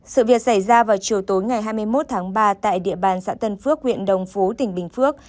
sự việc xảy ra vào chiều tối ngày hai mươi một tháng ba tại địa bàn xã tân phước huyện đồng phú tỉnh bình phước